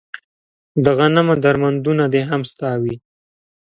د غنمو درمندونه دې هم ستا وي